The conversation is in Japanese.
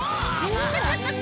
ハハハハ。